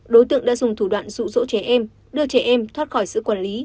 đối tượng đã dùng thủ đoạn rụ rỗ trẻ em đưa trẻ em thoát khỏi sự quản lý